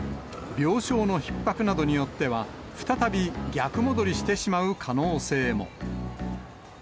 病床のひっ迫などによっては、再び逆戻りしてしまう可能性も。